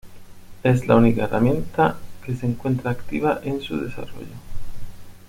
Es la única herramienta que se encuentra activa en su desarrollo.